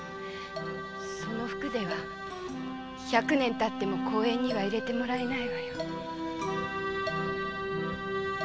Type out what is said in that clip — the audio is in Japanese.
その服では１００年たっても公園には入れてもらえないわよ。